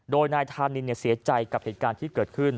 โดยนายธานินเสียใจกับเหตุการณ์ที่เกิดขึ้น